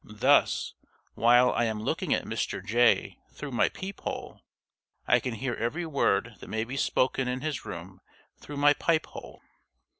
Thus, while I am looking at Mr. Jay through my peep hole, I can hear every word that may be spoken in his room through my pipe hole.